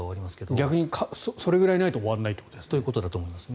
逆にそれぐらいじゃないと終わらないということですね。